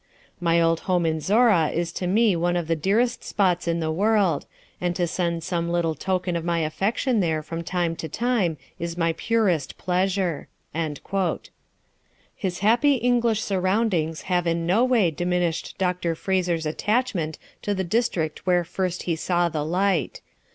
My old home in Zorra is to me one of the dearest spots in the world, and to send some little token of my affection there from time to time is my purest pleasure." His happy English surroundings have in no way diminished Dr. Fraser's attachment to the district where first he saw the light.